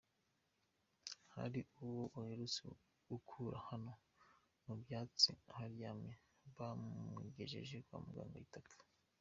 Hari uwo baherutse gukura hano mu byatsi aharyamye bamugejeje kwa muganga ahita apfa.